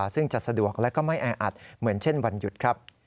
ซึ่งจะสะดวกและก็ไม่แออัดเหมือนเช่นวันหยุดครับ